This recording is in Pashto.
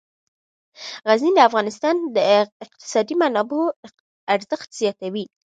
غزني د افغانستان د اقتصادي منابعو ارزښت زیاتوي.